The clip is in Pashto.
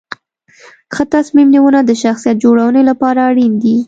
ښه تصمیم نیونه د شخصیت جوړونې لپاره اړین دي.